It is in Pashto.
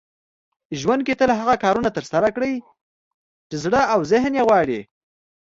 ژوند کې تل هغه کارونه ترسره کړئ چې زړه او ذهن يې غواړي .